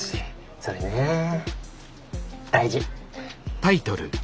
それね大事。